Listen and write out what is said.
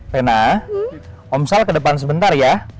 rena om sal ke depan sebentar ya